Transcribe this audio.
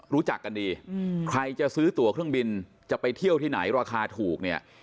รู้จักกันดีใครจะซื้อตัวเครื่องบินจะไปเที่ยวที่ไหนราคาถูกเนี่ย